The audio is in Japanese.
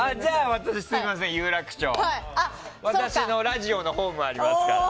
私のラジオのホームありますから。